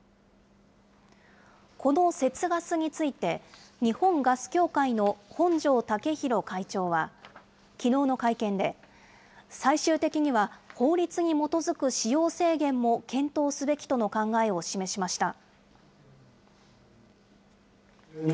この節ガスについて、日本ガス協会の本荘武宏会長は、きのうの会見で、最終的には、法律に基づく使用制限も検討すべきとの考えを示しました。